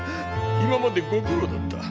今までご苦労だった。